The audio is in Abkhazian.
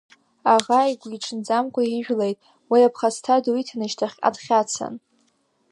Аӷа игәиҽанӡамкәа ижәлеит, уи аԥхасҭа ду иҭаны шьҭахьҟа дхьацан.